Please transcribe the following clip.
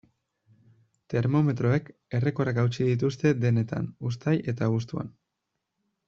Termometroek errekorrak hautsi dituzte denetan uztail eta abuztuan.